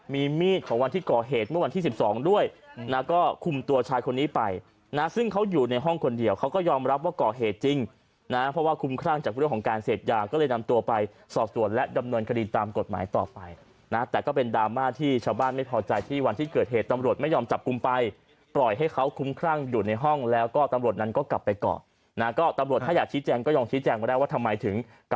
มีมีดของวันที่ก่อเหตุเมื่อวันที่๑๒ด้วยนะก็คุมตัวชายคนนี้ไปนะซึ่งเขาอยู่ในห้องคนเดียวเขาก็ยอมรับว่าก่อเหตุจริงนะเพราะว่าคุมคร่างจากเรื่องของการเสียบยาก็เลยนำตัวไปสอบสวนและดำเนินกดินตามกฎหมายต่อไปนะแต่ก็เป็นดราม่าที่ชาวบ้านไม่พอใจที่วันที่เกิดเหตุตำรวจไม่ยอมจับกุมไปปล่อยให้เขาคุ